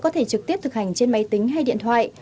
có thể trực tiếp thực hành trên máy tính hay điện thoại